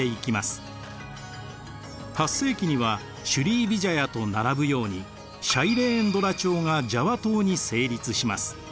８世紀にはシュリーヴィジャヤと並ぶようにシャイレーンドラ朝がジャワ島に成立します。